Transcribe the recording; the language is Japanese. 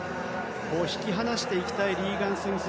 引き離していきたいリーガン・スミス。